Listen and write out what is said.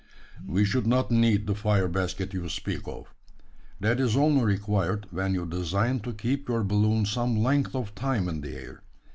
"We should not need the fire basket you speak of. That is only required, when you design to keep your balloon some length of time in the air.